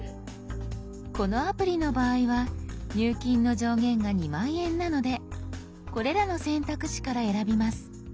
このアプリの場合は入金の上限が２０，０００円なのでこれらの選択肢から選びます。